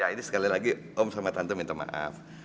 ini sekali lagi om sama tante minta maaf